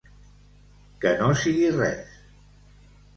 Que no sigui res.